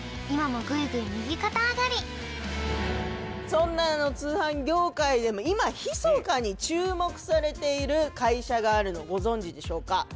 今もグイグイ右肩上がりそんな通販業界でも今ひそかに注目されている会社があるのご存じでしょうか？